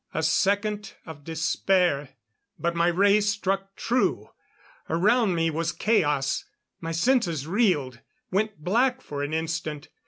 A second of despair; but my ray struck true ... Around me was chaos; my senses reeled, went black for an instant.